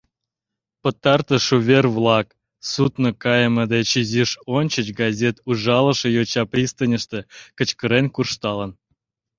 “Пытартыш увер-влак!” судно кайыме деч изиш ончыч газет ужалыше йоча пристаньыште кычкырен куржталын.